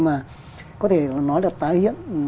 mà có thể nói là tái hiện